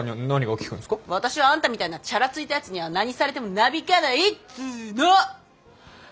私はあんたみたいなチャラついたやつには何されてもなびかないっつうの！